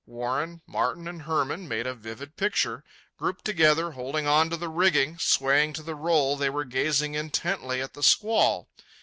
Warren, Martin, and Hermann made a vivid picture. Grouped together, holding on to the rigging, swaying to the roll, they were gazing intently at the squall.